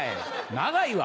長いわ！